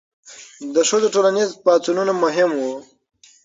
د ښځو ټولنیز پاڅونونه مهم وو.